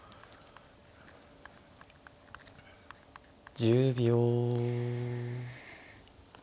１０秒。